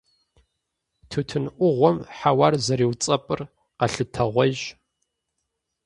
Тутын Ӏугъуэм хьэуар зэриуцӀэпӀыр къэлъытэгъуейщ.